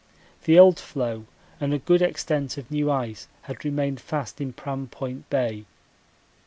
The old floe and a good extent of new ice had remained fast in Pram Point Bay.